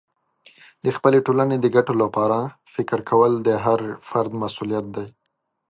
د خپلې ټولنې د ګټو لپاره فکر کول د هر فرد مسئولیت دی.